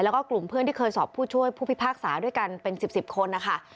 แล้วก็กลุ่มเพื่อนที่เคยสอบผู้ช่วยผู้พิพากษาด้วยกันเป็น๑๐คนนะคะ